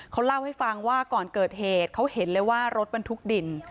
เขาเล่าให้ฟังว่าก่อนเกิดเหตุเขาเห็นเลยว่ารถบรรทุกดิน